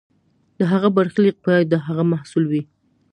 د هغه برخلیک باید د هغه محصول وي.